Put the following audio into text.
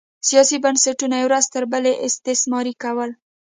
سیاسي بنسټونه یې ورځ تر بلې استثماري کول